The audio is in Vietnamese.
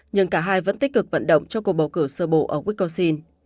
nhưng cả hai vẫn tích cực vận động cho cuộc bầu cử sơ bộ ở wisconsin